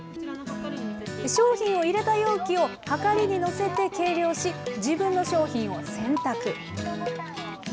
商品を入れた容器をはかりに載せて計量し、自分の商品を選択。